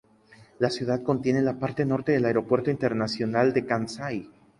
La ciudad contiene la parte norte del Aeropuerto Internacional de Kansai.